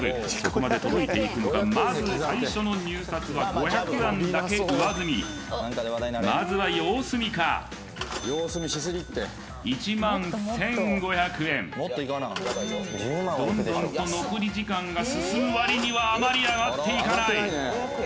ここまで届いていくのかまず最初の入札は５００円だけ上積みまずは様子見か１万１５００円どんどんと残り時間が進むわりにはあまり上がっていかない